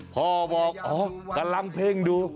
พ่อบอกอ๋อกำลังเพ่งดู